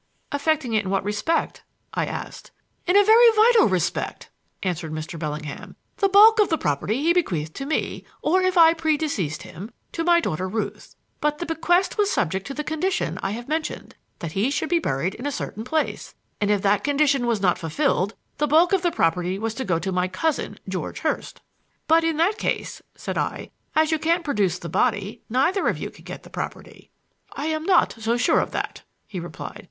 "Affecting it in what respect?" I asked. "In a very vital respect," answered Mr. Bellingham. "The bulk of the property he bequeathed to me, or if I predeceased him, to my daughter Ruth. But the bequest was subject to the condition I have mentioned that he should be buried in a certain place and if that condition was not fulfilled, the bulk of the property was to go to my cousin, George Hurst." "But in that case," said I, "as you can't produce the body, neither of you can get the property." "I am not so sure of that," he replied.